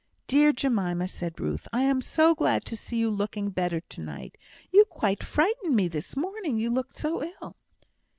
"Dear Jemima!" said Ruth, "I am so glad to see you looking better to night! You quite frightened me this morning, you looked so ill."